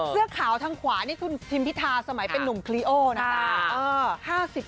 เสื้อขาวทางขวานี่คุณทิมพิธาสมัยเป็นนุ่มคลีโอนะคะ